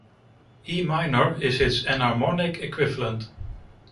E minor is its enharmonic equivalent.